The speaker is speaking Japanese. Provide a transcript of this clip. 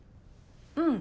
うん。